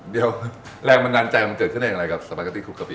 เดี๋ยวแรงบรรดาใจมาเกิดขึ้นอะไรกับสปาเก็ตตี้ครูกกะปี